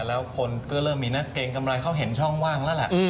แล้วคนก็เริ่มมีนักเกรงกำไรเขาเห็นช่องว่างแล้วล่ะ